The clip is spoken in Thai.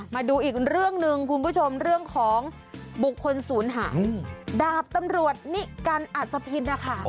มาดูอีกเรื่องหนึ่งคุณผู้ชมเรื่องของบุคคลศูนย์หายดาบตำรวจนิกันอัศพินนะคะ